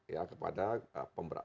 ya kepada pemerintah